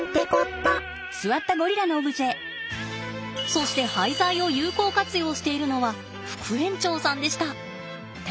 そして廃材を有効活用しているのは副園長さんでした。